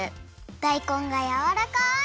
だいこんがやわらかい！